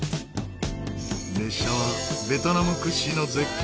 列車はベトナム屈指の絶景